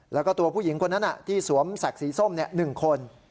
แล้วก็ตัวผู้หญิงคนนั้นน่ะที่สวมแสกสีส้มเนี่ยหนึ่งคน